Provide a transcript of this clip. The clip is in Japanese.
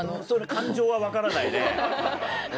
感情は分からないねうん。